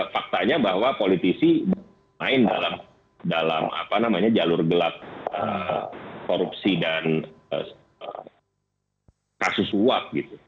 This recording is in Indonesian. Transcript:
faktanya bahwa politisi main dalam jalur gelap korupsi dan kasus uap gitu